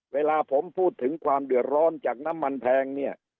เวลาผมพูดถึงความเดือดร้อนจากน้ำมันแพงเนี่ย